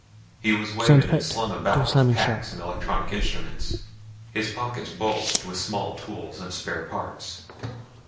He was weighted and slung about with packs and electronic instruments. His pockets bulged with small tools and spare parts.